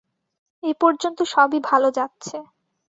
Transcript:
এ পর্যন্ত সবই ভাল যাচ্ছে।